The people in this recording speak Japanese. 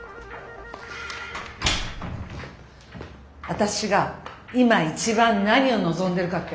私が今一番何を望んでるかって。